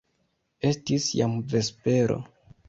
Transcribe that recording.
Estis jam vespero.